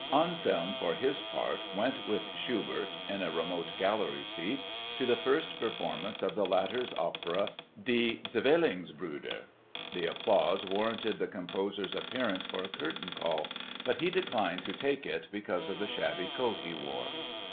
Anselm, for his part, went with Schubert (in a remote gallery seat) to the first performance of the latter's opera Die Zwillingsbrüder. The applause warranted the composer's appearance for a curtain call, but he declined to take it because of the shabby coat he wore.